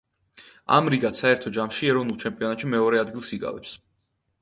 ამრიგად, საერთო ჯამში ეროვნულ ჩემპიონატში მეორე ადგილს იკავებს.